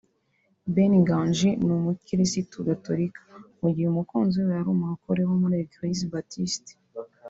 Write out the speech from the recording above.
Ben Nganji ni umukirisitu Gatolika mu gihe umukunzi we ari umurokore wo muri Église Baptiste